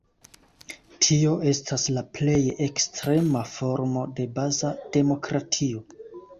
Tio estas la plej ekstrema formo de baza demokratio.